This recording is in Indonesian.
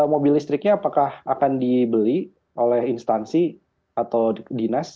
mobil listriknya apakah akan dibeli oleh instansi atau dinas